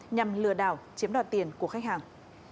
nhằm lừa đảo chiếm đoạt tiền của khách hàng